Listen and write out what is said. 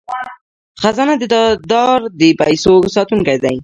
خزانه دار د پیسو ساتونکی دی